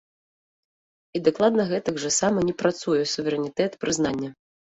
І дакладна гэтак жа сама не працуе суверэнітэт прызнання!